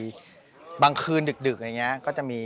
ชื่องนี้ชื่องนี้ชื่องนี้ชื่องนี้ชื่องนี้